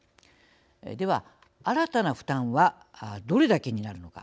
では、新たな負担はどれだけになるのか。